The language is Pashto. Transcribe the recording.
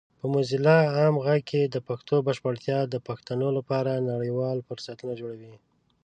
په موزیلا عام غږ کې د پښتو بشپړتیا د پښتنو لپاره نړیوال فرصتونه جوړوي.